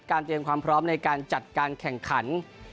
เตรียมความพร้อมในการจัดการแข่งขัน